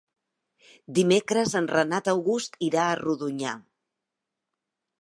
Dimecres en Renat August irà a Rodonyà.